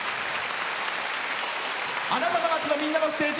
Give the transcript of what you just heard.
あなたの街の、みんなのステージ